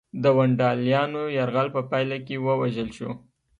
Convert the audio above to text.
د ونډالیانو یرغل په پایله کې ووژل شو